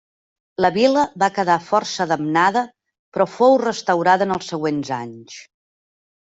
La vila va quedar força damnada però fou restaurada en els següents anys.